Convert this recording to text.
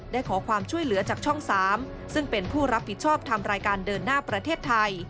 ได้ขอความช่วยเหลือจากช่อง๓ซึ่งเป็นผู้รับผิดชอบทำรายการเดินหน้าประเทศไทย